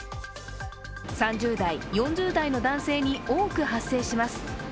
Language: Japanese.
３０代、４０代の男性に多く発生します。